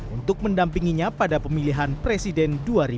untuk mendampinginya pada pemilihan presiden dua ribu dua puluh empat